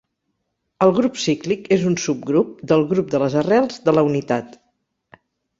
El grup cíclic és un subgrup del grup de les arrels de la unitat.